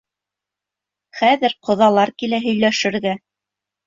Хәҙер ҡоҙалар килә һөйләшергә.